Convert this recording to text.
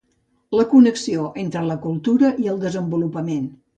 La connexió entre la cultura i el desenvolupament.